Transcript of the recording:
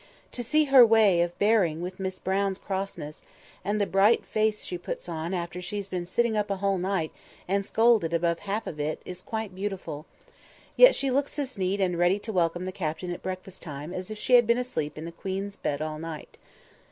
"To see her way of bearing with Miss Brown's crossness, and the bright face she puts on after she's been sitting up a whole night and scolded above half of it, is quite beautiful. Yet she looks as neat and as ready to welcome the Captain at breakfast time as if she had been asleep in the Queen's bed all night.